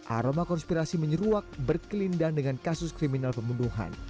aroma konspirasi menyeruak berkelindang dengan kasus kriminal pembunuhan